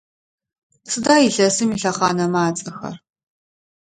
Сыда илъэсым илъэхъанэмэ ацӏэхэр?